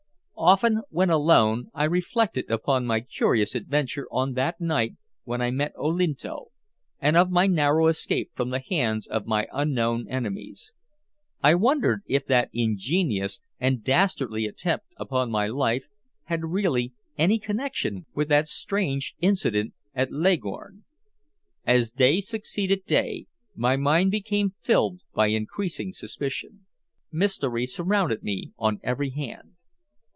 Often when alone I reflected upon my curious adventure on that night when I met Olinto, and of my narrow escape from the hands of my unknown enemies. I wondered if that ingenious and dastardly attempt upon my life had really any connection with that strange incident at Leghorn. As day succeeded day, my mind became filled by increasing suspicion. Mystery surrounded me on every hand.